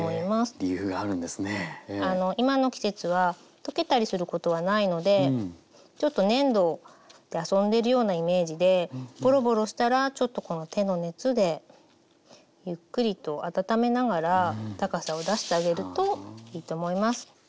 今の季節は溶けたりすることはないのでちょっと粘土で遊んでいるようなイメージでボロボロしたらちょっとこの手の熱でゆっくりと温めながら高さを出してあげるといいと思います。